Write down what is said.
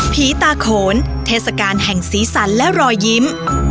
ผีตาโขนเทศกาลแห่งสีสันและรอยยิ้ม